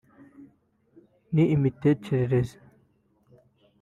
n’imitekerereze